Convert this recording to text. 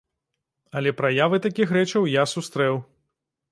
Але праявы такіх рэчаў я сустрэў.